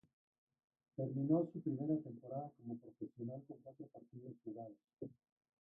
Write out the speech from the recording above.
Terminó su primera temporada como profesional con cuatro partidos jugados.